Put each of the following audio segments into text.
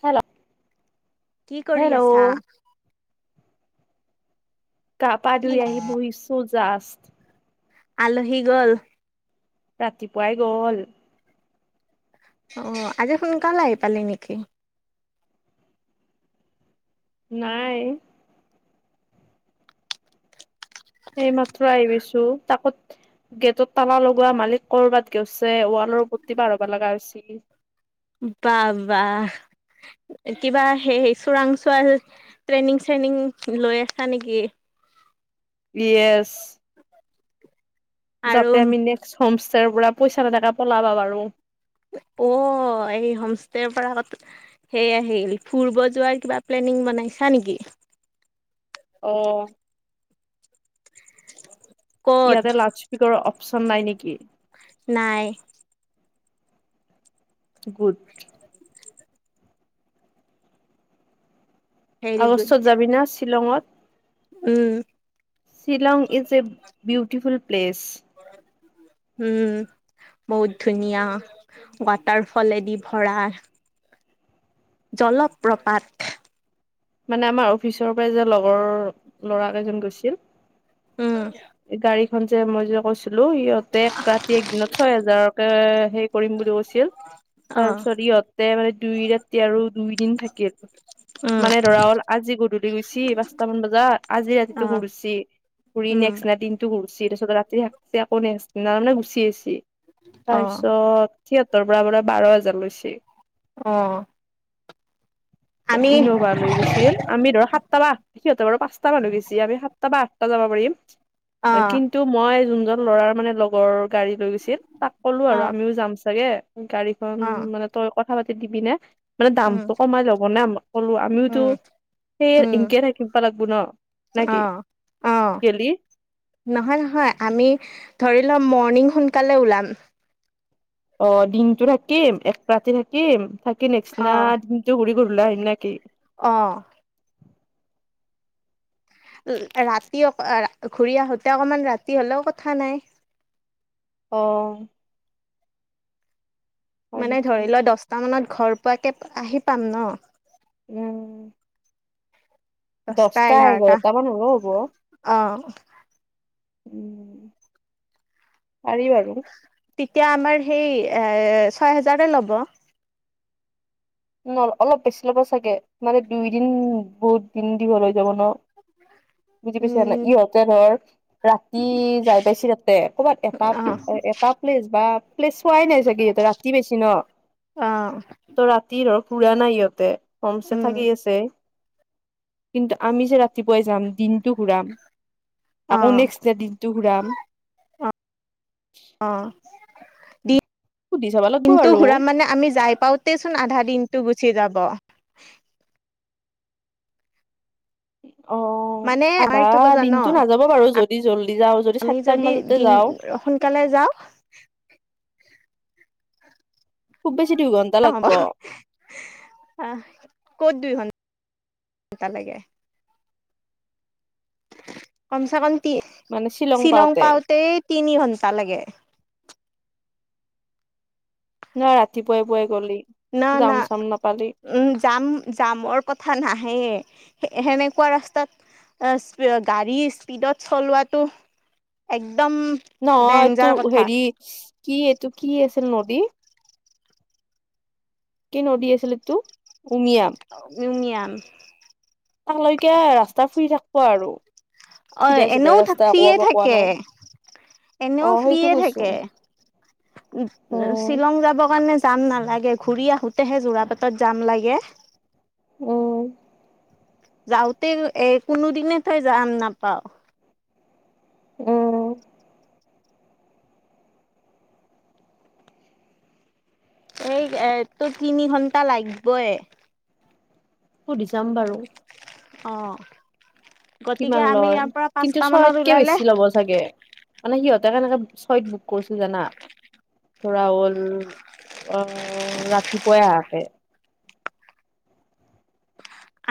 খেলা কি কৰি আছা? গা পা কি ধুই আহি বহিছোঁ জাষ্ট। আলহী গল? ৰাতিপুৱাই গ'ল। অ', আজি সোনকালে আহি পালি নেকি? নাই। সেইমাত্ৰ আহি পাইছো তাকত গেটত তালা লগোৱা মালিক কৰবাত গৈছে ৱালৰ প্ৰতি পাৰ হব লগা হৈছি- বাহ বাহ। কিবা সেই চোৰাংচোৱা ট্ৰেইনিং চ্ৰেইনিং লৈ আছা নেকি? য়েছ। আৰু যাতে আমি নেক্স হোম ষ্টেৰ পৰা পইচা নথাকে পলাবা পাৰু। অ এই হোমষ্টেৰ পৰা আগত। সেয়াহিল ফুৰিব যোৱাৰ কিবা প্লেনিং বনাইছা নেকি? অ। ক'ত? ইয়াতে লাাজপিকৰ অপশচন নাই নেকি? নাই। গুড। ভেৰি গুড আগষ্টত যাবি না শ্বিলঙত। উম Shillong is a beautiful place. উম। বহুত ধুনীয়া ৱাটাৰ ফলেদি ভৰা। জলপ প্ৰপাত। মানে আমাৰ অ- পিছৰ পৰা যে লগৰ ল'ৰা কেইজন গৈছিল উম গাড়ী এখন যে মই যে কৈছিলো সিহঁত ট্ৰেক ৰ্কাতি এক দিনত ছয় হেজাৰকে হেৰি কৰিম বুলি কৈছিল, তাৰ অ' পিছত ইহঁত তে মানে দুই ৰাতি আৰু দুই দিন থাকিল। উম মানে ধৰা হ'ল আজি গধূলি গৈছি পাঁচটামান বজাত আজি ৰাতিটো অ' ঘূৰছি। ঘূৰি উম নেক্স না দিনটো ঘূৰছি তাৰপিত ৰাতি থাকছি আকৌ নেক্স- নামানে গুচি এচি অ' তাৰপিছত থিয়েটাৰৰ পৰা বাৰ হাজাৰ লৈছে। অ। ত আমি ইনো লৈ গৈছিল আমি ধৰ সাতটা বা আ, সিহঁতে বাৰু পাঁচটা মানুহ গৈছে আমি সাতটা বা আঠটা যাব পাৰিম। অ', কিন্তু মই যোনজন ল'ৰাৰ মানে লগৰ গাড়ী লৈ গৈছিল। তাক কলো আৰু অ', আমিও যাম চাগে গাড়ীখন অ', মানে তই কথা পাতি দিবি নে। মানে উম, দামতটো কমাই ল'ব না, কলো আমিওতো উম, সেই এনকে থাকিব লাগিবো ন। নাকি অহ অহ। গেলি নহয় নহয় আমি ধৰি লম মৰ্ণিং সোনকালে ওলাম। অ দিনটো থাকিম এক ৰাতি থাকিম থাকি নেক্স দিনা অ', টো ঘুৰি কৈ পেলাই ওলাই আহিম নে কি? অ। ৰাতি অক ঘূৰি আহোঁতে অকণমান ৰাতি হ'লেও কথা নাই। অ। হয় মানে নেকি ধৰি লোৱা দছটা মানত ঘৰ পোৱাকে আহি পাম ন। উম। দছটা এঘাৰটা মান হ'লো হ'ব। অ। উম পাৰি বাৰু। তেতিয়া আমাৰ সেই এ ছয় হেজাৰে ল'ব। ন অলপ বেছি ল'ব চাগে মানে দুইদিন বহুত দিন দীঘল হৈ যাব ন। বুজি পাইছা নাই উম, ইহঁতে ধৰ ৰাতি যাই পাইছ তাতে ক'বাত এটা অ', এটা প্লেচ বা লে চোৱাই নাই চাগে ইহঁতে ৰাতি বেছি ন, অ', ত ৰাতি ধৰক পুৰা নাই ইহঁতে। ফমচে উম, থাকি আছে। কিন্তু আমি যে ৰাতিপুৱাই যাম দিনটো ঘূৰাম আকৌ অ', নেক্স তে দিন টো ঘুৰাম। অ, দিন সুধি চাব - লাগিব দিনটো বাৰু ঘূৰা মানে আমি যাই পাও তেচোন আধা দিনটো গুচি যাব। অ মানে আই আধা থব জান দিনটো নাযাব বাৰু যদি জল্দি যাওঁ আমি চাৰিটাৰ যদি মাজতে দিন যাওঁ সোনকালে যাও। খুব বেছি দুই ঘণ্টা অ, হব আহ ক'ত দুই ঘন ঘণ্টা লাগে। কম চে কম তি মানে শ্বিলং পাওঁতে পাওতে তিনি ঘন্টা লাগে। নহ ৰাতিপুৱাই পুৱাই গলি। না - যাম না। চাম নাপালি উম, জাম - জামৰ কথা নাহে সেনেকুৱা ৰাস্তাত। গাড়ী স্পীডত চলোৱাাতটো একদম নহ ডেঞ্জাৰ তোৰ কথা হেৰি কি এইটো কি আছিল নদী কি নদী আছিল তটো উমিয়াম। ইউনিয়ান। তাক লৈকে ৰাস্তা ফুৰি থাকিব আৰু। অ, চিধা চিধা এনেও ৰাস্তা একোৱা ফ্ৰিয়ে পকোৱা থাকে নাই অ এনেও সেইটো ফ্ৰিয়ে কৈছো থাকে। উম, উম শ্বিলং যাবৰ কাৰণে যাম নালাগে ঘূৰি আহোতেহে যোৰা পাটত যাম লাগে। উম, যাওতে এ কোনোদিনে তই যাম নাপাও। উম, এই এ তটো তিনি ঘন্টা লাগিবই। সুধি চাম বাৰু। অ, গতিকে কিমান আমি ইয়াৰ পৰা পাচটা মানত ওলালে ছাগে মানে সিহঁতে কেনেকে চইত বুক কৰিছিল জানা। ধৰা হ'ল অ, ৰাতিপুৱাই আহাকে।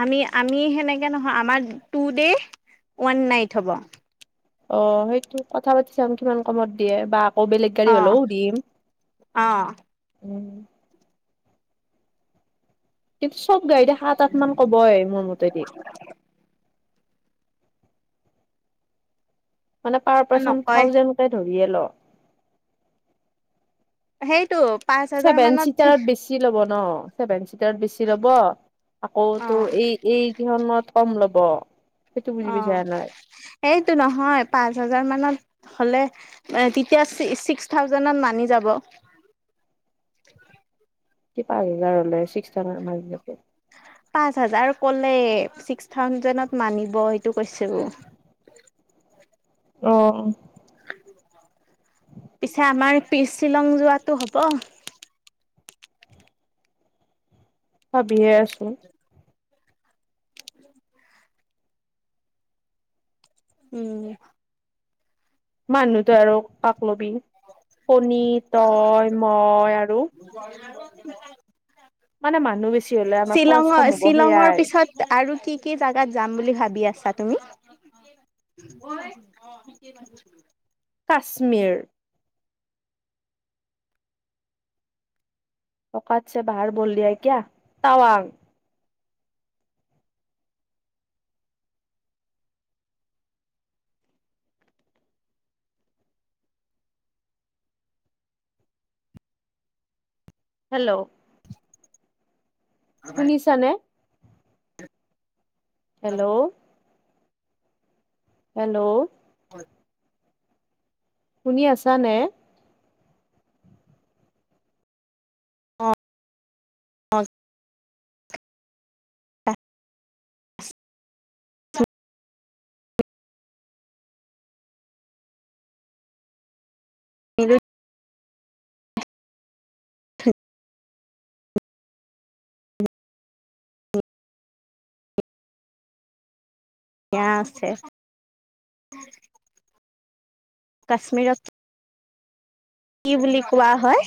আমি - আমি সেনেকে নহয় আমাৰ টু ডে ওৱান নাইট হ'ব। অ, সেইটো কথা পাতি চাম কিমান কামত দিয়ে বা অ, বেলেগ গাড়ী অ হ'লেও দিম অ উম, কিন্তু চব গাড়ী সাত আঠ মান কবই মোৰ মতেদি। মানে পাৰ পাৰ্চন নকয় থাউজেণ্ডে ধৰিয়ে ল। সেইটো পাঁচ হাজাৰ মানত দি ল'ব ন চেভেন চিটাৰত বেছি ল'ব আকৌ অ তোৰ এই এইকেইখনত কম ল'ব। সেইটো বুজি অ, পাইছা নাই এইটো নহয় পাঁচ হাজাৰ মানত হলে তেতিয়া ছিক্স - ছিক্স থাউজেডত মানি যাব। কি পাঁচ হাজাৰ হলে চিক্স থাউজেণ্ডতত মানি যাব? পাঁচ হাজাৰ ক'লে ছিক্স থাউজেণ্ডত মানিব সেইটো কৈছো। অ', পিছে আমাৰ পি শ্বিলং যোৱাতটো হব। ভাবিয়ে আছো। উম, মানুহটো আৰু কাকলবি কণী তই মই আৰু? মানে মানুহ বেছি হলে আমাৰ খৰচ কম শ্বিলঙৰ - হ'ব শ্বিলঙৰ সেয়াই পিছত আৰু কি - কি জোগাত যাম বুলি ভাবি আছা তুমি? [unintelligible] কাশ্মীৰ। অকাত চে বাহাৰ বল দিয়াই কিয়া টাৱাং। হেল্ল', শুনিছা নে? হেল্ল', হেল্ল', হয়। শুনি আছা নে? হয়। [unintelligible] [unintelligible] সেয়া আছে কাশ্মীৰত কি বুলি কোৱা হয়?